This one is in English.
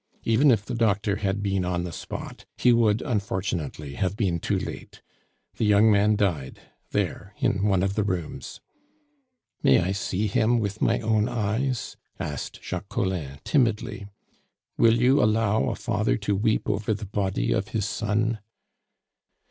"Even if the doctor had been on the spot, he would, unfortunately, have been too late. The young man died there in one of the rooms " "May I see him with my own eyes?" asked Jacques Collin timidly. "Will you allow a father to weep over the body of his son?"